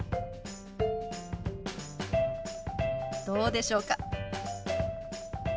どうでしょうか？